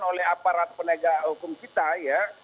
oleh aparat penegak hukum kita ya